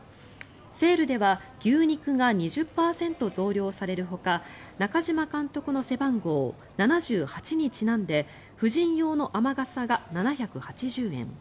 セールでは牛肉が２０％増量されるほか中嶋監督の背番号７８にちなんで婦人用の雨傘が７８０円